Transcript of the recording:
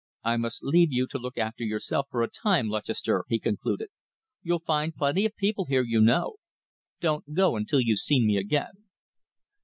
"I must leave you to look after yourself for a time, Lutchester," he concluded. "You'll find plenty of people here you know. Don't go until you've seen me again."